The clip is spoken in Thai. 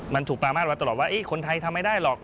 มันถูกประมาทมาตลอดว่าคนไทยทำไม่ได้หรอก